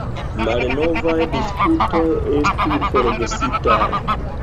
Malnovaj disputoj estu forgesitaj.